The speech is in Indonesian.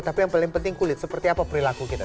tapi yang paling penting kulit seperti apa perilaku kita